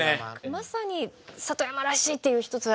まさに里山らしいっていう一つ。